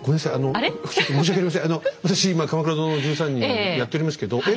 あの私今「鎌倉殿の１３人」やっておりますけどえ？